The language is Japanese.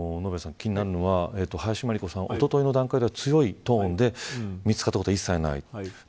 気になるのは、林真理子さんがおとといでは強いトーンで見つかるということは一切ない。